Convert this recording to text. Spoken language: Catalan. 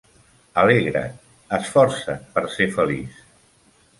Alegra't. Esforça't per ser feliç.